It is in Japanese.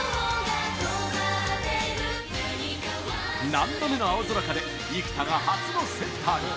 「何度目の青空か？」で生田が初のセンターに！